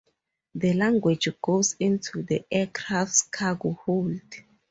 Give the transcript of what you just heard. The luggage goes into the aircraft's cargo hold.